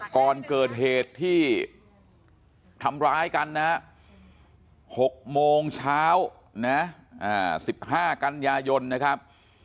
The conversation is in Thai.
ก่อนเกิดเหตุที่ทำร้ายกันนะฮะ๖โมงเช้านะ๑๕กันยายนนะครับ